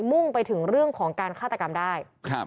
่งไปถึงเรื่องของการฆาตกรรมได้